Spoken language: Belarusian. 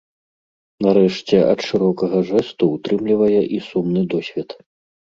Нарэшце, ад шырокага жэсту ўтрымлівае і сумны досвед.